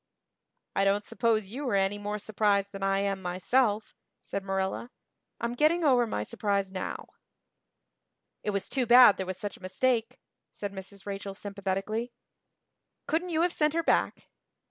"I don't suppose you are any more surprised than I am myself," said Marilla. "I'm getting over my surprise now." "It was too bad there was such a mistake," said Mrs. Rachel sympathetically. "Couldn't you have sent her back?"